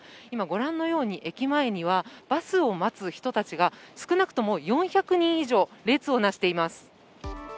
今、御覧のように駅前にはバスを待つ人たちが少なくとも４００人以上、列をなしています。